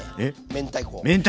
明太子！